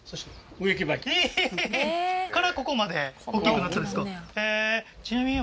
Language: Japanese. そこからここまで大きくなったんですか？